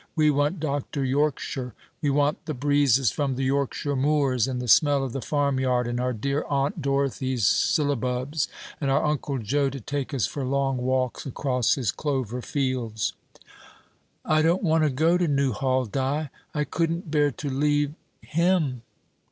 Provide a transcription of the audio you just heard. We want Dr. Yorkshire; we want the breezes from the Yorkshire moors, and the smell of the farmyard, and our dear Aunt Dorothy's sillabubs, and our uncle Joe to take us for long walks across his clover fields." "I don't want to go to Newhall, Di. I couldn't bear to leave him."